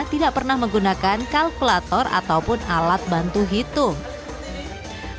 tidak pernah menggunakan kalkulator ataupun alat bantu hitung